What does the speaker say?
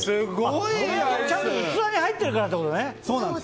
器に入ってるからってことね。